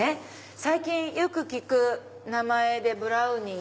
最近よく聞く名前でブラウニー。